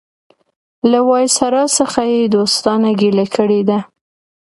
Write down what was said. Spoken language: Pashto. له وایسرا څخه یې دوستانه ګیله کړې ده.